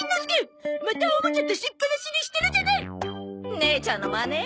姉ちゃんのマネ？